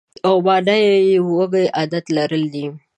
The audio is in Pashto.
او مانا یې وږی عادت لرل دي.